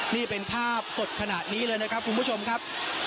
นี่เป็นภาพสดขนาดนี้เลยนะครับคุณผู้ชมครับ